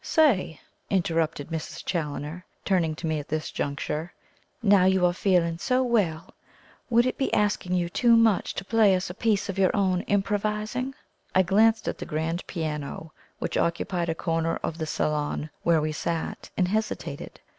"Say," interrupted Mrs. Challoner, turning to me at this juncture, "now you are feeling so well, would it be asking you too much to play us a piece of your own improvising?" I glanced at the grand piano, which occupied a corner of the salon where we sat, and hesitated.